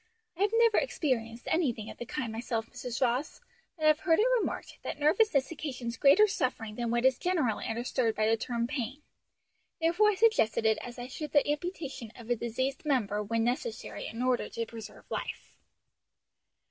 I have never experienced anything of the kind myself, Mrs. Ross, but have heard it remarked that nervousness occasions greater suffering than what is generally understood by the term pain; therefore I suggested it as I should the amputation of a diseased member when necessary in order to preserve life."